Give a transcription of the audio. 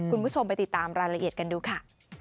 คุณผู้ชมไปติดตามรายละเอียดกันดูค่ะ